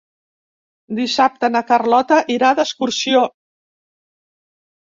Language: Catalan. Dissabte na Carlota irà d'excursió.